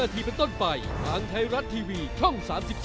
ทางไทรัตทีวีช่อง๓๒